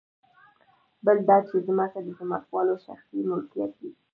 بل دا چې ځمکه د ځمکوالو شخصي ملکیت دی